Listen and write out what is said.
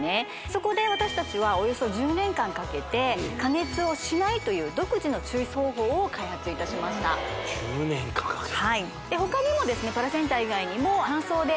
そこで私たちはおよそ１０年間かけて加熱をしないという独自の抽出方法を開発いたしました１０年かかったはい他にもですね